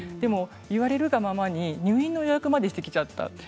言われるがままに入院の予約までしてきちゃった。